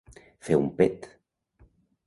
Fer un pet.